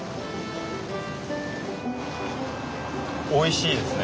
おいしいですね。